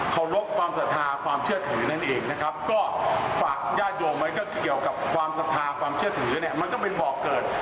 ความเชื่อถึงมันก็เป็นบอกเกิด